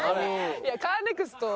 いやカーネクスト。